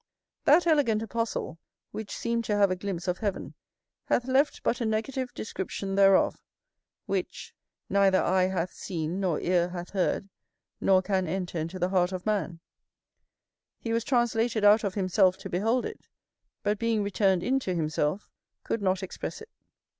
That elegant apostle, which seemed to have a glimpse of heaven, hath left but a negative description thereof; which "neither eye hath seen, nor ear hath heard, nor can enter into the heart of man:" he was translated out of himself to behold it; but, being returned into himself, could not express it.